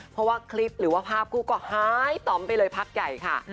เพราะว่าคลิปหรือว่าภาพคู่ก็หายต่อมไปเลยพักใหญ่ค่ะ